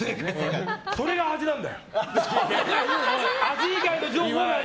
それが味なんだよ。